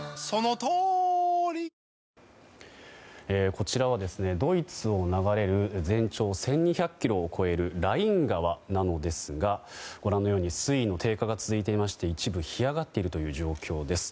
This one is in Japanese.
こちらは、ドイツを流れる全長１２００ｋｍを超えるライン川なのですがご覧のように水位の低下が続いていて一部、干上がっている状況です。